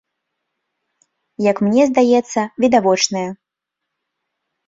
Як мне здаецца, відавочная.